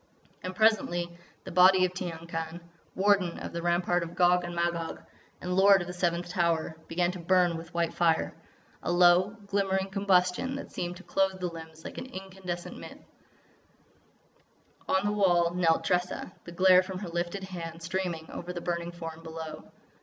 And presently the body of Tiyang Khan, Warden of the Rampart of Gog and Magog, and Lord of the Seventh Tower, began to burn with white fire—a low, glimmering combustion that seemed to clothe the limbs like an incandescent mist. On the wall knelt Tressa, the glare from her lifted hand streaming over the burning form below.